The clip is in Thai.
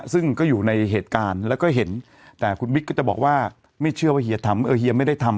ซึ่งก็อยู่ในเหตุการณ์แล้วก็เห็นแต่คุณบิ๊กก็จะบอกว่าไม่เชื่อว่าเฮียทำเออเฮียไม่ได้ทำ